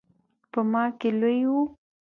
په ما کې لوی و.